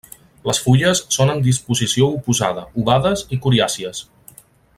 Les fulles són en disposició oposada, ovades i coriàcies.